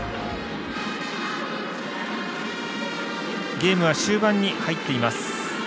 ゲームは終盤に入っています。